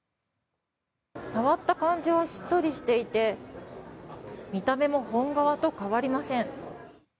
触った感じはしっとりしていて見た目も本革と変わりません。